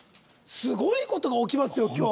すごいことが起きますよ、今日。